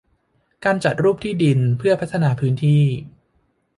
การจัดรูปที่ดินเพื่อพัฒนาพื้นที่